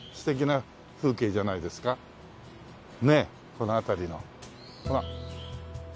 この辺りのほら。